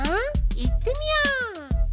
いってみよう！